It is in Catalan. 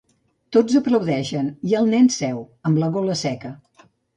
Tots aplaudeixen i el nen seu, amb la gola seca.